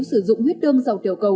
sử dụng huyết tương dầu tiểu cầu